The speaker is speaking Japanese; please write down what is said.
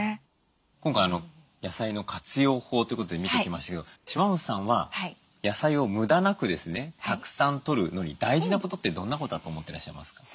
今回野菜の活用法ということで見てきましたけど島本さんは野菜を無駄なくですねたくさんとるのに大事なことってどんなことだと思ってらっしゃいますか？